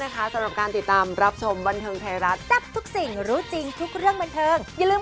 ใกล้โค้งสุดท้ายแบบนี้ตัวเลขมันผุดขึ้นมาเยอะขึ้น